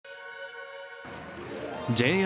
ＪＲ